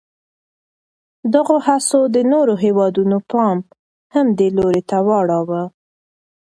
دغو هڅو د نورو هېوادونو پام هم دې لوري ته واړاوه.